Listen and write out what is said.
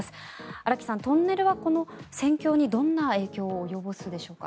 荒木さん、トンネルはこの戦況にどんな影響を及ぼすでしょうか。